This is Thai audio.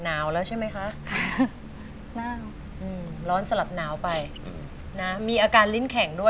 อาการข้าว